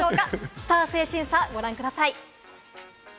スター性審査、ご覧ください。